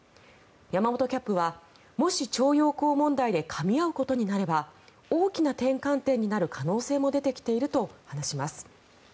山本キャップはもし徴用工問題でかみ合うことになれば大きな転換点にある可能性も出てきていると話します。